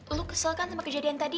elu kesel kan sama kejadian tadi